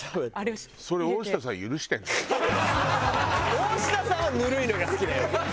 大下さんはぬるいのが好きだよ。